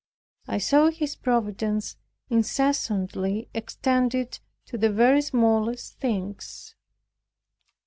I saw his providence incessantly extended to the very smallest things.